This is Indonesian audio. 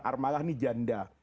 al armalah ini janda